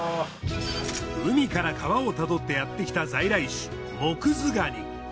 海から川をたどってやってきた在来種モクズガニ。